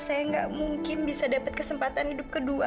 saya gak mungkin bisa dapet kesempatan hidup kedua